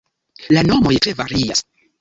La nomoj tre varias.